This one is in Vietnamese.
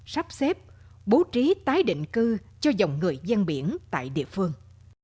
sắp xếp bố trí tái định cư cho dòng người gian biển tại địa phương